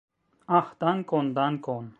Ah, dankon, dankon!